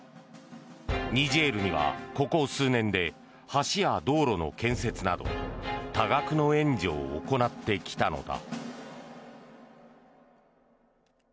ニジェールには、ここ数年で橋や道路の建設など多額の援助を行ってきたのだ。